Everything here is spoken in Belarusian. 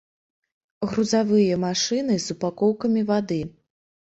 Грузавыя машыны з упакоўкамі вады.